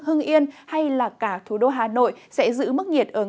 hương yên hay cả thủ đô hà nội sẽ giữ mức nhiệt ứng